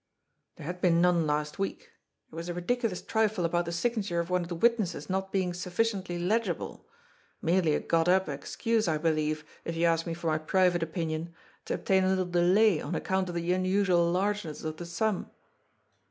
" There had been none last week. It was a ridiculous trifle about the signature of one of the witnesses not being sufficiently legible. Merely a got up excuse, I believe, if you ask me for my private opinion, to obtain a little delay on account of the unusual largeness of the sum."